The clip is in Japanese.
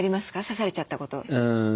刺されちゃったこと。